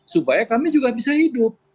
supaya kami juga bisa hidup